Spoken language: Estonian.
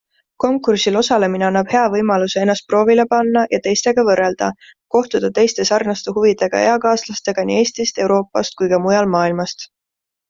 Konkursil osalemine annab hea võimaluse ennast proovile panna ja teistega võrrelda, kohtuda teiste sarnaste huvidega eakaaslastega nii Eestist, Euroopast kui ka mujalt maailmast.